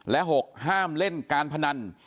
และ๖ห้ามเล่นการพนัน